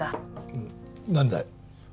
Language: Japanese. うん何だい？